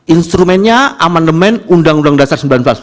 instrumennya amendement undang undang yang berlaku